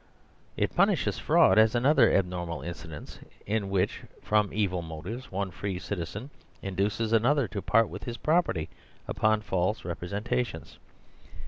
It punishes fraud as another abnor mal incident in which, from evil motives, one free citi zen induces another to part with his property upon false representations.